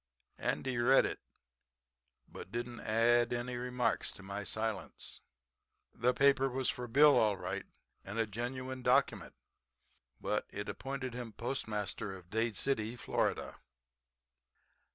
Andy read it, but didn't add any remarks to my silence. "The paper was for Bill, all right, and a genuine document, but it appointed him postmaster of Dade City, Fla.